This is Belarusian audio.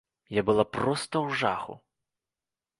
Я была проста ў жаху!